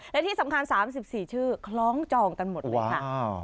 และที่สำคัญ๓๔ชื่อคล้องจองกันหมดเลยค่ะ